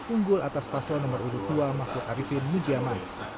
unggul atas paslo nomor dua mahfud arifin mujiaman